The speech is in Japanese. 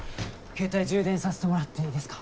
携帯充電させてもらっていいですか？